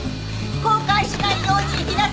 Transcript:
後悔しないように生きなさいよ。